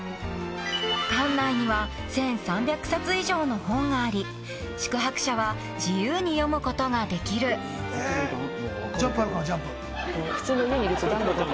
［館内には１，３００冊以上の本があり宿泊者は自由に読むことができる］それを。